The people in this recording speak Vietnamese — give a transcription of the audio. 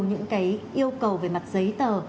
những cái yêu cầu về mặt giấy tờ